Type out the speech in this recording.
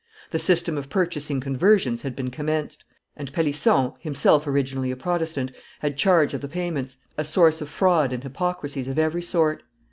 The system of purchasing conversions had been commenced; and Pellisson, himself originally a Protestant, had charge of the payments, a source of fraud and hypocrisies of every sort.